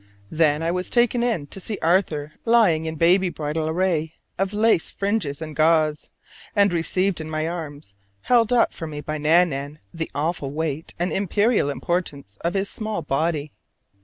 Then I was taken in to see Arthur lying in baby bridal array of lace fringes and gauze, and received in my arms held up for me by Nan nan the awful weight and imperial importance of his small body.